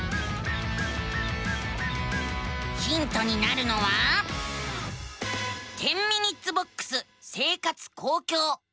ヒントになるのは「１０ｍｉｎ．ボックス生活・公共」。